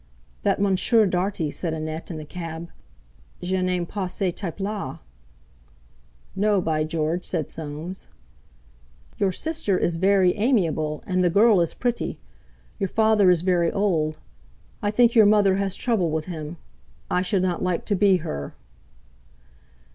"That Monsieur Dartie," said Annette in the cab, "je n'aime pas ce type là!" "No, by George!" said Soames. "Your sister is veree amiable, and the girl is pretty. Your father is veree old. I think your mother has trouble with him; I should not like to be her."